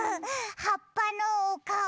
はっぱのおかお？